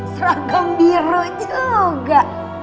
seragam biru juga